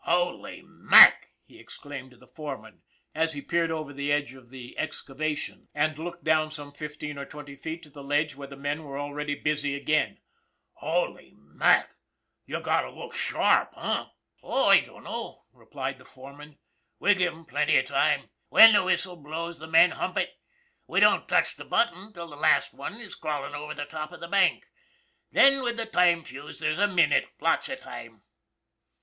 " Holy Mac !" he exclaimed to the foreman, as "he peered over the edge of the excavation and looked 270 ON THE IRON AT BIG CLOUD down some fifteen or twenty feet to the ledge where the men were already busy again. " Holy Mac ! You've got to look sharp, eh ?"" Oh, I dunno," replied the foreman. " We give 'em plenty of time. When the whistle blows the men hump it. We don't touch the button till the last one is crawlin' over the top of the bank. Then, with the time fuse, there's a minute, lots of time."